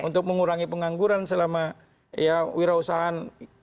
untuk mengurangi pengangguran selama ya wirausahaan